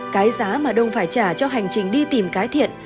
cái giá mà đông phải trả cho hành trình đi tìm cái thiện